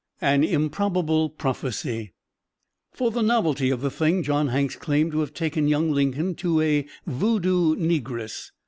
AN IMPROBABLE PROPHECY For the novelty of the thing, John Hanks claimed to have taken young Lincoln to a "voodoo" negress.